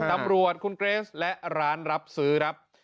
อัปรวจคุณเกรสและร้านรับซื้อ